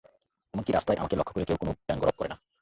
এমন কি রাস্তায় আমাকে লক্ষ্য করে কেউ কোন ব্যঙ্গরব করে না।